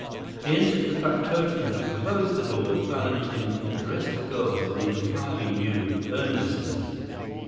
The instant the factotum had closed the door, Valentin addressed the girl with an entirely new earnestness.